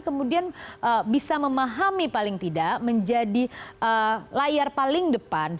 kemudian bisa memahami paling tidak menjadi layar paling depan